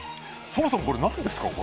そもそも、これ何ですか？